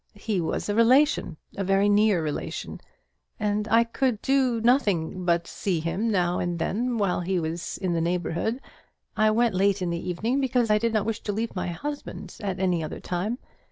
He was a relation, a very near relation, and I could not do otherwise than see him now and then while he was in the neighbourhood. I went late in the evening, because I did not wish to leave my husband at any other time.